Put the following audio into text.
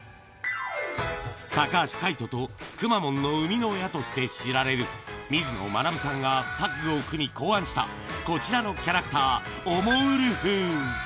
高橋海人とくまモンの生みの親として知られる水野学さんがタッグを組み考案した、こちらのキャラクター、おもウルフ。